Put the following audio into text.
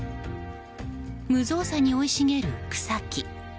無造作に生い茂る草木。